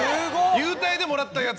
優待でもらったやつ？